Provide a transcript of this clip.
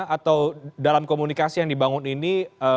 atau dalam komunikasi yang dibangun ini